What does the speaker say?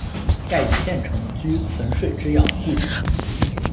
盖以县城居汾水之阳故。